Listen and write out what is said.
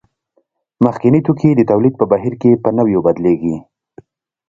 مخکیني توکي د تولید په بهیر کې په نویو بدلېږي